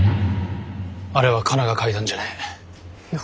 あれはカナが書いたんじゃねえ。